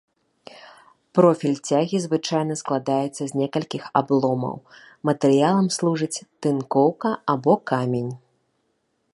Профіль цягі звычайна складаецца з некалькіх абломаў, матэрыялам служыць тынкоўка або камень.